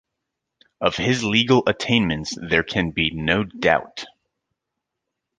Of his legal attainments there can be no doubt.